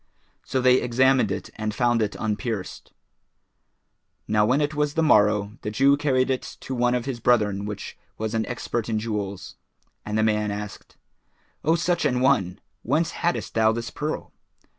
So they examined it and found it unpierced. Now when it was the morrow, the Jew carried it to one of his brethren which was an expert in jewels, and the man asked, "O such an one! whence haddest thou this pearl?"